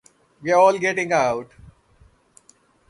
We're all getting out!